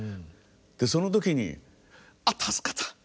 その時にあっ助かった。